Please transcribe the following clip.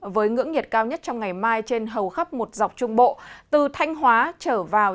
với ngưỡng nhiệt cao nhất trong ngày mai trên hầu khắp một dọc trung bộ từ thanh hóa trở vào